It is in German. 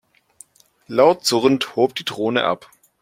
Laut surrend hob die Drohne ab.